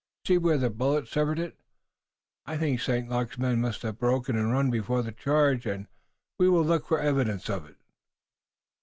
See where the bullet severed it. I think St. Luc's men must have broken and run before the charge, and we will look for evidence of it."